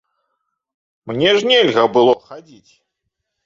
Мне ж нельга было хадзіць.